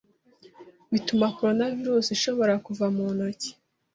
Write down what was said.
bituma coronavirus ishobora kuva mu ntoki